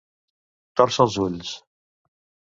Tòrcer els ulls.